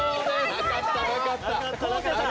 なかったなかった。